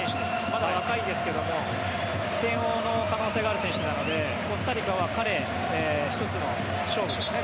まだ若いんですけども得点の可能性のある選手なのでコスタリカは彼、１つの勝負ですね